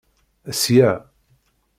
Sya.